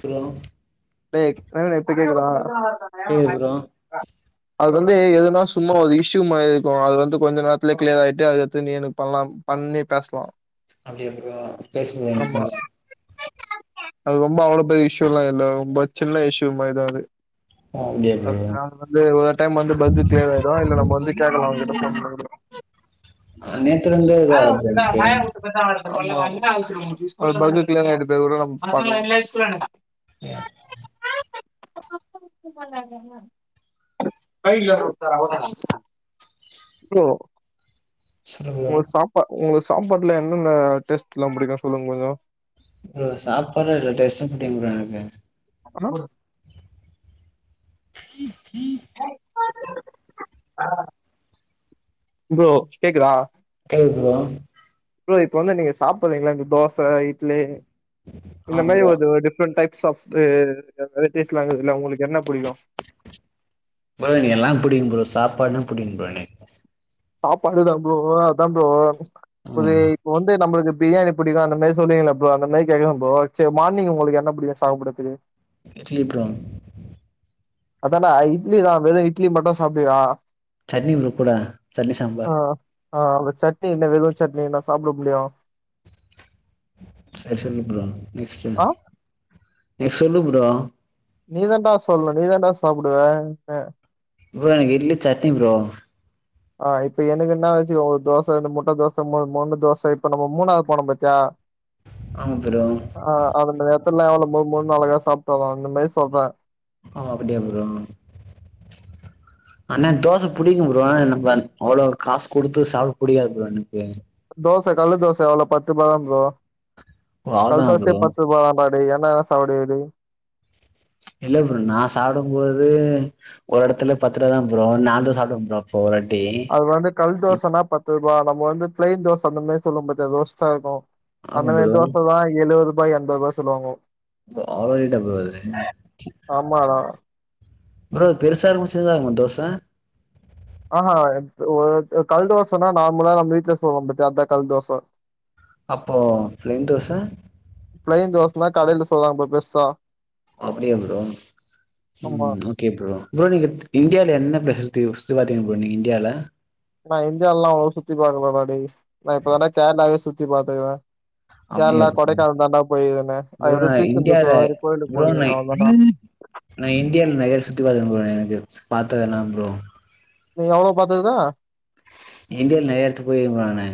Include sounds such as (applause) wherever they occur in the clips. Hello டே ப்ரவீன இப்ப கேக்குதா கேக்குது ப்ரோ (inaudible) அது வந்து எதுனா சும்மா ஒரு இஷ்யூ மாதிரி இருக்கு அது வந்து கொஞ்சு நேரத்துலயே கிளியர் ஆயிட்டு அதை எத்து நீ என பண்ணலா பண்ணி பேசலாம் அப்படி அப்புறோ (unintelligible) அது ரொம்ப அவ்வளவு பெரிய இஷ்யுலா இல்ல ரொம்ப சின்ன இஷயூ மாரி தா அது அப்டியா ப்ரோ நாங்க வந்து ஒரு டைம் வந்து பங்க்கு கிளியர் ஆயிடு இல்ல நம்ம வந்து கேட்கலா அவங் (inaudible) ஆ நேத்துல இருந்து (unintelligible) உனக்கு (inaudible) ய (unintelligible) சொல்லு ப்ரோ உங்களுக்கு சாப்பா உங்களுக்கு சாப்பாட்ல என்னெந்த டேஸ்ட் எல்லா பிடிக்கு சொல்லுங்க கொஞ்சு ப்ரோ சாப்படுற இல்ல டெஸ்ட்டும் பிடிக்கும் ப்ரோ எனக்கு அப்பனா (inaudible) (inaudible) ஆ ப்புரோ கேக்குதா கேக்குது ப்புரோ ப்புரோ இப்ப வந்து நீங்க சாப்பரீதீங்களா இந்த தோச இட்லி இந்த ஆ மாரி ப்ரோ ஓது டிஃபரெண்டட் டைப் சாஃப்ட் நெறைய டேஸ்ட்லா (unintelligible) ப்புரோ எனக்கெல்லா பிடிக்கும் ப்புரோ சாப்பாடு புடிக்கு ப்புரோனக்கு சாப்பாடுதப்ரோ அதான் ப்புரோ இது ம் இப்ப வந்து நம்மளுக்கு பிரியாணி புடிக்கு அந்தமாரி சொல்லங்கிள ப்புரோ அப்போ அந்த மாதி கேட்கறேப்ரோ சரி மார்னிங் உங்களுக்கு என்ன பிடிக்கு சாப்பிடுறதுக்கு இட்லிப்ரோ அதாடா இட்லிதா வெறும் இட்லி மட்டும் சாப்புடுவிய சட்னி ப்ரோ கூட சட்னி சாம்பார் ஆஹ் அப்ப சட்னி என்ன வெறு சட்னின்னா சாப்ட முடியு சர் சரி ப்ரோ நெக்ஸ்ட் ஆ நீ சொல்லு ப்ரோ நீதாண்டா சொல்லணு நீதாண்டா சாப்புடுவே அ ப்ரோ எனக்கு இட்லி சட்னி ப்ரோ ஆஹ் இப்ப எனக்குன்ன வச்சிக்கோ ஒரு தோச இந்த முட்ட தோச மூணு மொறு மொறு தோச இப்ப நம்ம மூணாவது போனொ பாத்தியா ஆமா ப்ரோ ஆஹ் அதுல ர ல்ல எவ்ளோ மொறு மொறுனு அழகா சாப்ட்டு வரோ அந்த மாரி சொல்ற ஆ அப்டியா ப்ரோ ஆனா தோச புடிக்கு ப்ரோ நம்ம அன் அவ்ளோ காசு குடுத்து சாப்ட புடிகாது ப்ரோ எனக்கு தோச கள்ளு தோச எவ்வளோ பத்து ரூபா தா ப்ரோ ஓ கல் அவ்ளோதானா தோச ப்ரோ பத்து ரூவா தா டா அப்டி என்னத சாப்டுவ வெளிய இல்ல ப்ரோ நா சாப்டபோது ஒரு எடத்துல பத்து ரூபா தா ப்ரோ நாலு சாப்ட ப்ரோ அப்போ ஒரு எட் அது வந்து கல்தோசனா பத்து ருவா நம்ம வந்து பிளைன் தோச அந்த மாரி சொல்லும் போது ரோஸ்ட்டா இருக்கு அந்த ஆமா மாரி ப்ரோ தோச தா எழுவது ரு பா எண்பது ரூபா சொல்லுவாங்கொ அவ்ளோ ரேட்டா ப்ரோ அது ஆமாடா ப்ரோ பெருசா இருக்குமா சின்னதா இருக்குமா தோச ஆஹா ஒ கல்தோசனா நார்மலா நம்ம வீட்ல சுடுவோ பாத்தியா அதா கல் தோச அப்போ ப்ளைன் தோச அப்டினா கடையில சூடுறாங்க பாரு பெருசா அப்டியா ப்ரோ ஆமா உம் ஓகே ப்ரோ ப்ரோ நீங்க இந்தியால என்ன ப்ளேஸஸ் சுத்தி சுத்தி பாத்தீங்க ப்ரோ நீங்க இந்தியால நா இந்தியால்லா அவ்ளோ சுத்தி பாக்லடா டேய் நா இப்போ தாடா கேரளாவே சுத்தி பாத்ருக்கே அப்டியா கேரளா ப்ரோ கொடைக்கானல் தாண்டா போயிருந்தே ப்ரோ அது ஏதோ நா திருச்செந்தூர்கு இந்தியால எதோ ஒரு கோயிலுக்கு ப்ரோ போயிருந்தேடா நா அவ்ளோ தாண்டா பாத்ததுல ப்ரோ நீ அவ்ளோ பாதுருக இந்தியால நெறைய எடத்துக்கு பொய்ருக்கே ப்ரோ நானு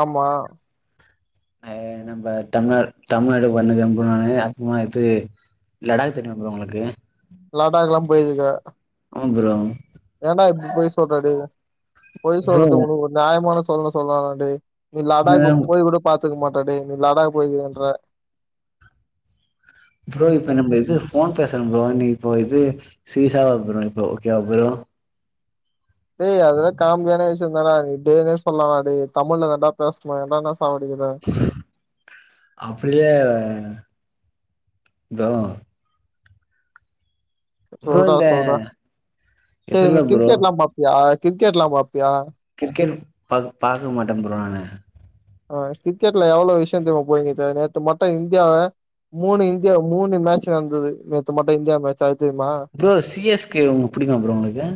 ஆமா ஆஹ்ய நம்ப தமிழ்நா தமிழ்நாடு வந்துருக்கே ப்ரோ நானு அப்றமா அடுத்து லடாக் தெரியுமா ப்ரோ உங்ளுக்கு லடாகல்லா போய்ருக்க ஆமா ப்ரோ ஏடா இப்டி பொய் சொல்ற டேய் பொய் ப்ரோ சொல்றதுக்கு உனக்கு ஒரு நியாயமான சொல்லுனு சொல்லாத டேய் லடாக் உண்மைதா போய் கூட பாத்ருக்க மாட் ட டேய் நீ லாடாக் பொய்ருக்கன்ற ப்ரோ இப்பொ நம்ப இது ஃபோன் பேச ப்ரோ நீ போ இது சீரியஸா இருக்கனு இப்போ ஓகே வா ப்ரோ ஏய் அதுல காம்டியான விஷயோ தான்டா நீ டே நே சொல்லலா டா தமிழ்ல தா டா பேசணு இன்னானாச் அப்டில்ல தா சொல்றா இந்த சொல்றா சரி இதுல்ல நீ ப்ரோ கிரிக்கெட்லா பாப்பியா கிரிக்கெட்லா பாப் கிரிக்கெட் பாக் பாக்க மாட்டே ப்ரோ நானு ஆஹ் கிரிக்கெட்ல எவ்ளோ விஷயொ தெரிமா போயிட்ருக்கு நேத்து மட்டு இந்தியா மூணு இந்தியா மூணு மேட்ச் நடந்தது நேத்து மட்டு இந்தியா மேட்ச் அ ப்ரோ சி எஸ் கே உங்க பிடிக்குமா ப்ரோ உங்களுக்கு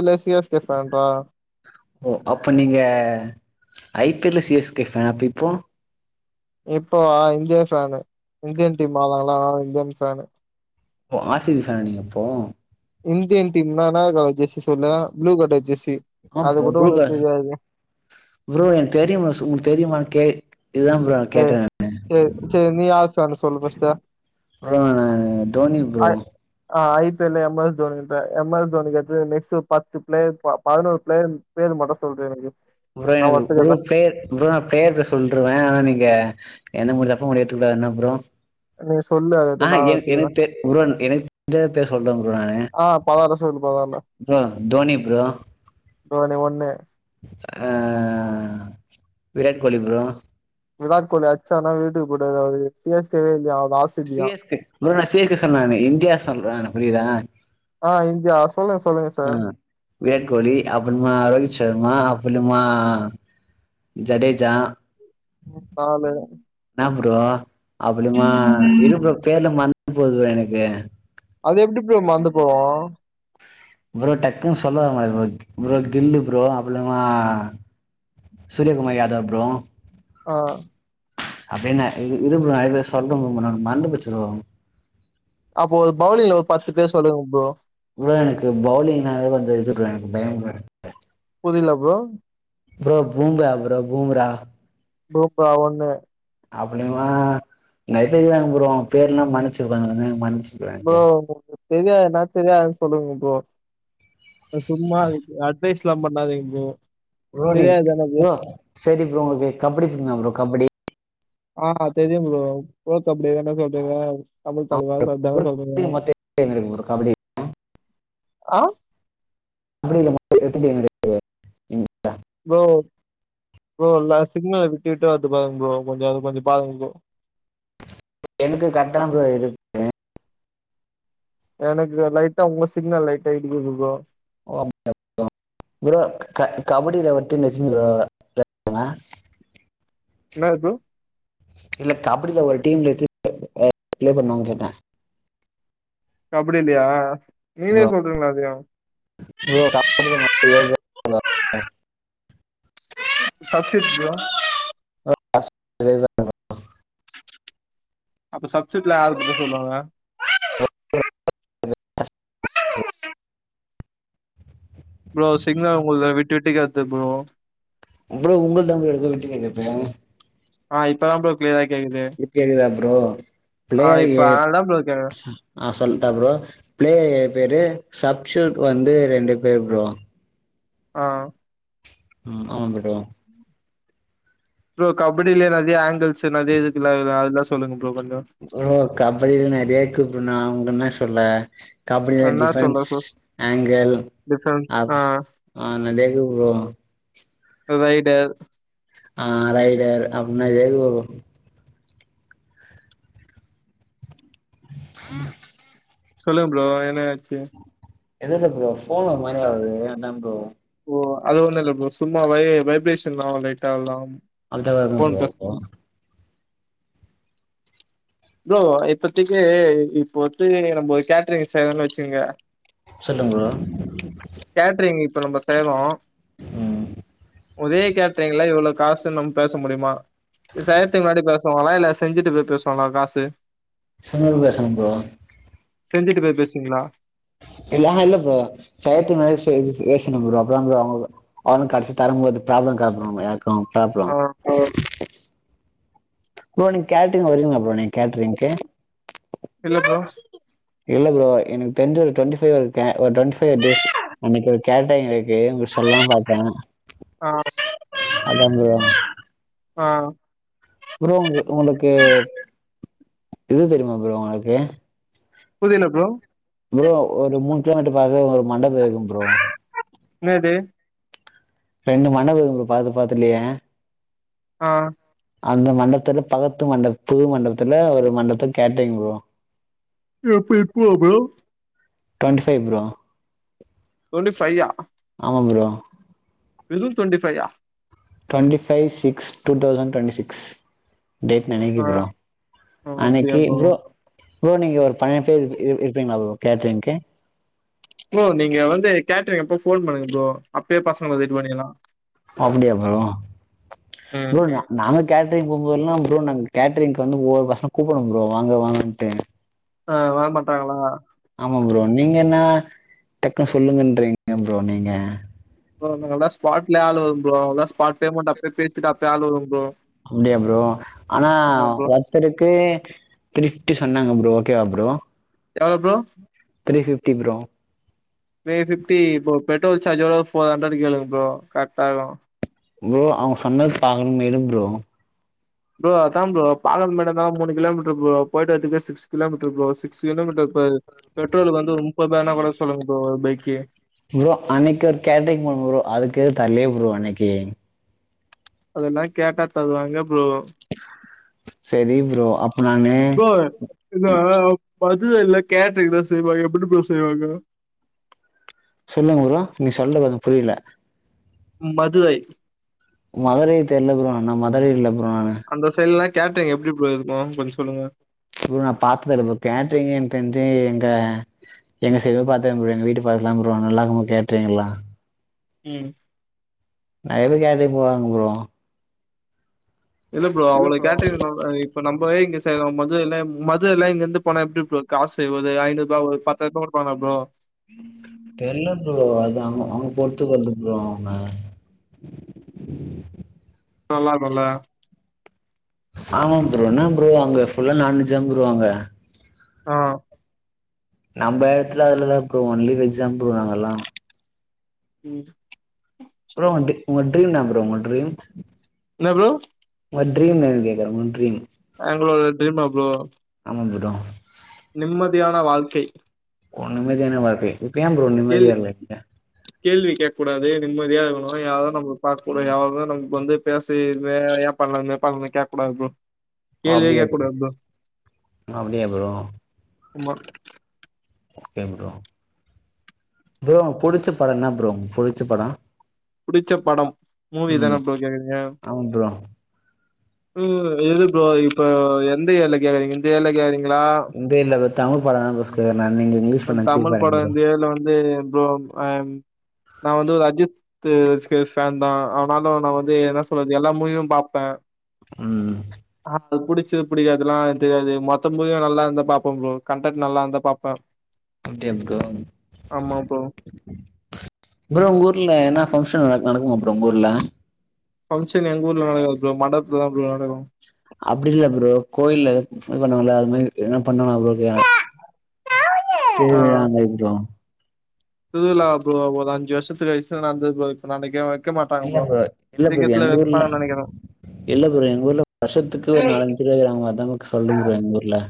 எல்லா சி எஸ் கே ஃபேன்றா ஓ அப்ப நீங்க ஐ பி எல்ல சி எஸ் கே ஃபேனா அப்ப இப்போ இப்போ இந்தியா ஃபேனு இந்தியன் டீம் ஆட்ராங்களா அத்னால இந்தியன் ஃபேனு ஓ ஆ சி பி ஃபேனா நீங்க இப்போ இந்தியன் டீம்ல என்னா கலர் ஜெசி சொல்லு ப்ளூ போட்ட ஜெசி ஆஹ் ப்ரோ புளு கல ப்ரோ எனக்கு தெரியு பாஸ் உங்களுக்கு தெரியுமான் கே இதுதா ப்ரோ உஹ் கேட்டே நானு. செரி செரி நீ யாரு ஃபேனு சொல்லு ஃபஸ்ட்டு ப்ரோ நானு தோனி ஐ ப்ரோ ஆ I P L M S தோனின்ற எம் எஸ் தோனி கடுத்து நெக்ஸ்ட்டு பத்து பிளேயர் பதினோரு பிளேயர் பேர் மட்டு சொல்றியா எனக்கு ப்ரோ நா எனக்கு ஒரு ஒத்துக்கறே பிளேயர் ப்ரோ நா பிளேயர் பே சொல்ருவே ஆனா நீங்க என்ன முடிஞ்சப்பொ முடிவெடுத்துக்கலா என்ன ப்ரோ நீ சொல்லு அடுத்து ஆஹ் நா எனக் ஒத்துக்கறே எனக் தெரிஞ் ப்ரோ எனக் தெரிஞ்ச பேர் சொல்றே ப்ரோ நானு ஆ பதார்ல சொல்லு பதார்ல ப்ரோ தோனி ப்ரோ தோனி ஒன்னு அஹ் விராட் கோலி ப்ரோ விராட் கோலி அச்சானா வீட்டுக்கு போய்டுவ (unintelligible) சிஸ் கே வா இல்ல அ சி எஸ் கே ப்ரோ நா சி எஸ் கே சொல்ல நானு இந்தியா சொல்ற புரியுதா ஆ இந்தியா சொல்லுங்க சொல்லுங்க சார் ஆஹ் விராட் கோலி அப்புறமா ரோஹித் சர்மா அப் புறமா ஜடேஜா நாலு என்னா ப்ரோ அப்படிமா இரு ப்ரோ பேருலா மறந் துபோது எனக்கு அது எப்டி ப்ரோ மறந்து போவு ப்ரோ டக்குன்னு சொல்ல வரமாட்டுது ப்ரோ கில்லு ப்ரோ அப்புள்ளமா சூரியகுமார் யாதவ் ப்ரோ ஆ அப்டின்னா இ இரு ப்ரோ நெறைய பேர் சொல்ற ப்ரோ நானு மறந்துபோச்சு ப்ரோ அப்போ ஒரு பவுலிங்ல ஒரு பத்து பேர் சொல்லுங்க ப்ரோ ப்ரோ எனக்கு பவுலிங் நாலே வந்து இது ப்ரோ எனக்கு பயொ ப்ரோ எனக்கு புரில bro bro Bumrah bro Bumrah டூப்பா ஒன்னு அப்டிமா நெறைய பே இர்க்காங்க ப்ரோ பேர்லா மரஞ்சு ப்ரோ எனக்கு வந்து மரஞ்சு ப்ரோ தெரியாதுனா தெரியாது சொல் சொல்லுங்க ப்ரோ சும்மா அட்வைஸ் எல்லா பண்ணாதீங்க ப்ரோ ரோனி தெரியாது தான ப்ரோ ப்புரோ செரி ப்ரோ உங்களுக்கு கபடி தெரிமா ப்புரோ கபடி ஆ தெரியும் ப்புரோ (unintelligible) (unintelligible) ஆ அப்டி இல்ல (unintelligible) ப்புரோ ப்புரோ ல சிக்னல் விட்டுட்டா வருது பாருங்க ப்புரோ கொஞ்சோ அது கொஞ்சு பாருங்கு ப்புரோ எனக்கு கரக்ட்டா ப்புரோ (unintelligible) எனக்கு லைட்டா உங்க சிக்னல் லைட்டா இடிக்கிது ப்ரோ (unintelligible) ப்ரோ க கபடியில வந்ண்டு (unintelligible) என்னது ப்ரோ இல்ல கபடியில்ல ஒரு டீம்லேத்தி (unintelligible) என்ன ப்ளே பண்ணுவாங்னு கேட்டே கபடியில்லியா நீங்களே ப்ரோ சொல்றீங்களா அதையு ப்ரோ (unintelligible) சப்சிடியூட் (unintelligible) அப்ப சப்சுட்டுல யார் போக சொல்லுவாங்க (unintelligible) (unintelligible) ப்ரோ சிக்னல் உங்குல்து விட்டுட்டு கேக்குது ப்ரோ உங்களது உங்குளுதா ப்புரோ விட்டு விட்டு கேக்குது ஆ இப்பதா ப்ரோ கிளீயரா இப்ப கேக்குதா ப்புரோ ஆ பிளேயர் இப்ப ஏப் அதனால தா ப்ரோ கேக்குது ஆ சொல்டா ப்புரோ பிளேயர் ஏப் பேரு சப்ஷுட் வந்து ரெண்டு பேரு ப்புரோ ஆ உம் ஆமா ப்ரோ ப்ரோ கபடியிலயே ரதியா ஆங்கிள்ஸ் நெறையா இருக்குல அதுல்லா சொல்லுங்க ப்புரோ ஓ கபடியில்ல நெறியாருக்கு நா உ என்ன சொல்ல கபடியில என்னா சொல்ல டிஃப்ரன்ஸ் சொ ஆங்கிள் டிஃபரன்ஸ் ஆ அப் ஆ நடையாருக்கு ப்புரோ ரைடர் ஆ ரைடர் அப்டினா (unintelligible) சொல்லுங்க ப்ரோ என்னா ஆச்சு எதுல்ல ப்ரோ போன் ஒரு மாரி ஆவுது அதாங் ப்புரோ ப்புரோ அது ஒண்ணு இல்ல ப்ரோ சும்மா வைவே வைப்ரேஷன்லா லைட்ட அவ்லதா அடுத்த வேற என்ன ப்ரோ இருக்கு ப்புரோ இப்பத்திக்கி இப்ப வத்து நம்ம கேட்ரீஸ் செய்யிறோ வெச்சுகங்க சொல்லுங் ப்ரோ கேட்ரீங் இத் இப்ப நம்ப சேவா ம் ஒரே கேட்ரீங்குளா இவ்ளோ காஸ் நம்ம பேச முடியுமா இது சாயத்தி முன்னாடி பேஸ் (unintelligible) பேசுவங்களா இல்ல செஞ்சுட்டு போய் பேசுவாங்களா காசு செஞ்சப்ரோ பேசரே ப்ரோ செஞ்சிட்டு போய் பேசுவீங்களா இல்ல இல்ல செய்ரதுக்கு முன்னாடி பேசனு ப்ரோ அப்ப தா ப்ரோ அவங்க அவங்க கடைசி தரும்போது ப்ராப்ளம் இருக்காது ப்ரோ ஆ (unintelligible) ப்ரோ நீங்க கேட்ரிங் வரீங்களா ப்ரோ நீங்க கேட்ரிங்க்கு இல்ல ப்ரோ இல்ல ப்ரோ எனக்கு தெரிஞ்ச ஒரு டுவெண்ட்டிஃபை டுவெண்ட்டிஃபை அனைக்கு ஒரு கேட்ரிங் இருக்கு உங்களுக்கு சொல்லலா பாத்த ஆ ஆ ப்ரோ ஓ ஒனக்கு இது தெரியுமா ப்ரோ உனக்கு புது என்ன ப்ரோ ப்ரோ ஒரு மூணு கிலோமீட்டர் பாத்தா ஒரு மண்டப இருக்கு (unintelligible) என்னது ரெண்டு மணவு பாத்து பாத்துலயே ஆ அந்த மண்டத்துல பக்கத்து மண்ட புது மண்டபத்துல ஒரு மண்டபத்த கேட்டரீங் புரோ எப்ப இப்பவா ப்ரோ டுவென்டிஃபைவ் ப்ரோ டுவெண்ட்டி ஃபையா ஆமா ப்ரோ வெறு டுவெண்டிஃபையா twenty five six two thousand twenty six date நெனைக்கு ஆ ப்ரோ ஓ அப்டியா அன்னைக்கு ப்ரோ ப்ரோ நீங்க ஒரு பன்னெண்டு பேர் இருப் இருப்பீங்களா கேட்றீங்க்கு ஓ நீங்க வந்து கேட்ரிங்க் அப்போ போன் பண்ணுங்க ப்ரோ அப்பயே பசங்கள ரெடி பண்ணிக்கலா அப்டியா ப்ரோ ம். ப்ரோ நாங்க கேட்ரிங் போமோதெல்லாம் ப்ரோ நாங்க கேட்டரிங்க் வந்து ஒவ்வொரு பசங்கள கூப்டணும் ப்ரோ வாங்க வாங்கன்ட்டு ஆ வர மாட்டாங்களா நீங்கனா டக்குனு சொல்லுங்கன்றீங்க ப்ரோ நீங்க நல்லா ஸ்பாட்ல ஆள் வரும் ப்ரோ ஸ்பாடலயே பேமண்ட அப்பயே பேசிட்டு அப்பயே ஆள் வரும் ப்ரோ அப்டியா ப்ரோ ஆனா ஆமா ப்ரோ. ஒருத்தருக்கு ட்டி சொன்னாங்க ப்ரோ ஓகேவா ப்ரோ எவ்ளோ bro three fifty bro three fifty bro petrol சார்ஜோட ஒரு ஃபோர் ஹண்ட்ரட் கேளுங்க ப்ரோ கரெக்ட்டா இருக்கு ப்ரோ அவங்க சொன்னது பாக்கணு இருங்க ப்ரோ ப்ரோ அதா ப்ரோ பாக்குறதுக்கு தா மூணு கிலோமீட்டர் ப்ரோ போயிட்டு வரதுக்கே six kilometre bro six kilometre ப பெட்ரோலுக்கு வந்து ம் இப்ப வேனா கூட சொல்லுங்க ப்ரோ பை கு ப்ரோ அன்னிக்கு ஒரு கேட்ரிங் போணு ப்ரோ அதுக்கே தர்லயே ப்ரோ அன்னைக்கு அதெல்லா கேட்டா தருவாங்க ப்ரோ சரி ப்ரோ அப் ப்ரோ இதா பாத் (unintelligible) கேட்டரிங்தா செய்வாங்க எப்புடி பா செய்வாங்க சொல்லுங்க ப்ரோ நீங்க சொல்லுரது கொஞ்ச புரியல மதுரை மதுரை தெர்ல ப்ரோ நா மதுரை இல்லப் அந்த சைட்லா கேட்ரிங் எப்படி ப்ரோ இருக்கு கொஞ்சொ சொல்லுங்க ப்ரோ நா பாத்தது இல்ல ப்ரோ கேட்ரிங்கு எனக்கு தெரிஞ்சு எங்க எங்க சைடு பாத்த ப்ரோ எங்க வீட்டு பக்கதுல தா ப்ரோ நல்லாக்குமா கேட்டரிங் எல்லா உம் நெறைய பேர் கேட்டரிங் போவாங்க ப்ரோ இல்ல ப்ரோ அவள கேட்டீரிங்குனுல இப்ப நம்பவே இங்கச் கேக்கும் போது எல்லா மொது எல்லா இங்க இருந்து போனா எப்டி ப்ரோ காசு ஒரு ஐநூறுபா ஒரு பத்தாயிர ரூபா குடுப்பாங்கலா ப்ரோ தெரில ப்ரோ அது அவ் அவங்க பொருத்துக்கர்த்து ப்ரோ அவங்க சொல்லான்றல்ல ஆமாா ப்ரோ என்ன ப்ரோ அங்க ஃபுல்லா நான்வெஜ் தா ப்ரோ அங்க ஆஹ் நம்ப எடத்துல அது இல்ல ப்ரோ ஒன்லி வெஜ் தா ப்ரோ அங்கல்லா உம் ப்ரோ உங்க டி உங்க ட்ரீம் என்னா ப்ரோ உங்க ட்ரீம் என்ன ப்ரோ உங்க ட்ரீம் என்னானு கேக்குர உங்க ட்ரீம் எங்களோட ட்ரீமா ப்ரோ வந்துடோ நிம்மதியான வாழ்க்கை ஓ நிம்மதியான வாழ்க்கை யே ப்ரோ நிம்மதியா கேள்வி இல்லயா கேள்வி கேக் கூடாது நிம்மதியா இருக்கணு யாரு நம்மள பாக்க கூடாது யாருமே நமக்கு வந்து பேசு இதுவே ஏ பண்ணல ஏ பண்ணல கேக்க கூடாது ப்ரோ கேள்வியே அப்படியா கேட்க ப்ரோ கூடாது அப்படியா ப்ரோ ஆமா ஓகே ப்ரோ ப்ரோ புடிச்ச படம் என்ன ப்ரோ உங்க புடிச்ச படம் புடிச்ச படம் மூவிதான ம் ப்ரோ கேக்குரீங்க ஆமா ப்ரோ உஹ்ம் எது ப்ரோ இப்ப எந்த ஏர்ல கேக்குரீங்க இந்த ஏர்ல கோக்குரீங் இந்த இல்ல ப (inaudible) படோ ரிஷ்கு தமிழ் படோ இந்த இயர்ல வந்து ப்ரோ அம் நா வந்து ஒரு அஜித் ஃபேன்தா அவனாலு நா வந்து என்ன சொல்றது எல்லா மூவியு பாப்பே உம் அது புடிச்சது புடிக்கததெல்லா தெரியது மொத்த மூவியு நல்லா இருந்தா பாப்ப கண்டண்ட் நல்லா இருந்தா பாப்பே அப்டியா ப்ரோ ஆமா ப்ரோ உங்க ஊர்ல என்ன பங்க்ஷன் நடக்குமா ப்ரோ உங்க ஊர்ல பங்க்ஷன் எங்க ஊர்ல நடக்காது ப்ரோ மன்டத்துலதா ப்ரோ நடக்கு அப்டி இல்ல ப்ரோ கோயில இது பண்ணாங்கல்ல அது மாரி எதுனா பண்ணனா ப்ரோ கேக்குற தேவையான (unintelligible) இதுலா ப்றோ ஒரு அஞ்சு வருசத்து கழிச்சு நடந்தது ப்ரோ இப்ப நடக்கவே மாட் இல்ல புரோ இல்ல ப்ரோ எங்க ஊர்ல நெனைக்கிறே இல்ல ப்ரோ எங்க ஊர்ல வருஷத்துக்கு ஒரு நாலஞ்சு (unintelligible) அதா ப்ரோ சொல்லு ப்ரோ எங்க ஊர்ல